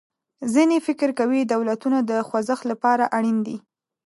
ځینې فکر کوي دولتونه د خوځښت له پاره اړین دي.